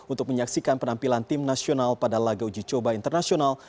untuk menyaksikan penampilan tim nasional pada laga uji coba internasional